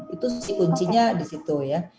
itu sih kuncinya di situ ya